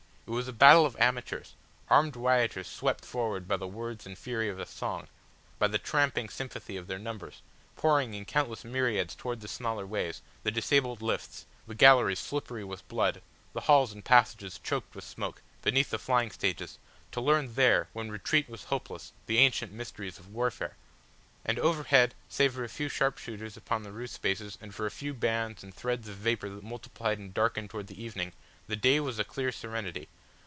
It was a battle of amateurs, a hideous experimental warfare, armed rioters fighting armed rioters, armed rioters swept forward by the words and fury of a song, by the tramping sympathy of their numbers, pouring in countless myriads towards the smaller ways, the disabled lifts, the galleries slippery with blood, the halls and passages choked with smoke, beneath the flying stages, to learn there when retreat was hopeless the ancient mysteries of warfare. And overhead save for a few sharpshooters upon the roof spaces and for a few bands and threads of vapour that multiplied and darkened towards the evening, the day was a clear serenity.